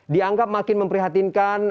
dianggap makin memprihatinkan